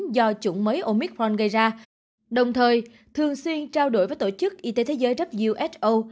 do chủng mới omic von gây ra đồng thời thường xuyên trao đổi với tổ chức y tế thế giới who